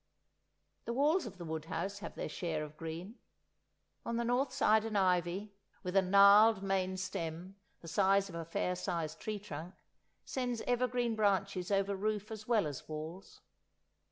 The walls of the wood house have their share of green; on the north side an ivy, with a gnarled main stem the size of a fair sized tree trunk, sends evergreen branches over roof as well as walls.